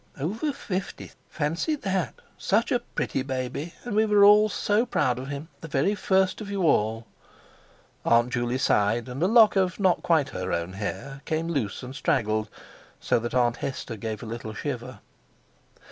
Over fifty! Fancy that! Such a pretty baby, and we were all so proud of him; the very first of you all." Aunt Juley sighed, and a lock of not quite her own hair came loose and straggled, so that Aunt Hester gave a little shiver.